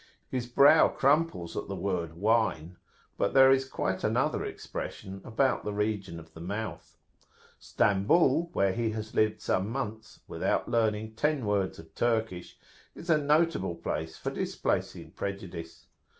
His brow crumples at the word wine, but there is quite another expression about the region of the mouth; Stambul, where he has lived some months, without learning ten words of Turkish, is a notable place for displacing prejudice.